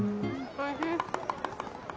おいしい